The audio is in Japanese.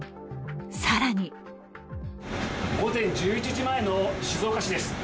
更に午前１１時前の静岡市です。